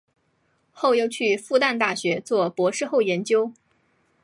后又去复旦大学做博士后研究。